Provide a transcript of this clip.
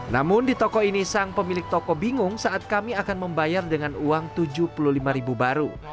namun di toko ini sang pemilik toko bingung saat kami akan membayar dengan uang rp tujuh puluh lima baru